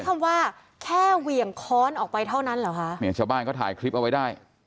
คำว่าแค่เหวี่ยงค้อนออกไปเท่านั้นเหรอคะเนี่ยชาวบ้านเขาถ่ายคลิปเอาไว้ได้